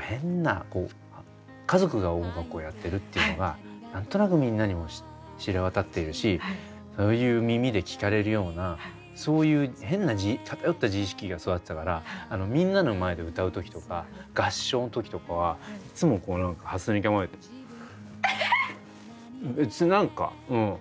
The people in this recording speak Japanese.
変な家族が音楽をやってるっていうのが何となくみんなにも知れ渡っているしそういう耳で聴かれるようなそういう変な偏った自意識が育ってたからみんなの前で歌う時とか合唱の時とかはいつもこう何かはすに構えて「別何かうん」みたいな。